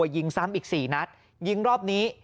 ทำอีก๔นัทยิงรอบนี้